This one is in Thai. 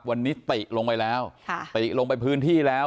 วันนี้ติลงไปแล้วค่ะติลงไปพื้นที่แล้ว